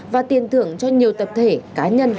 và tiền thưởng cho nhiều tập thể cá nhân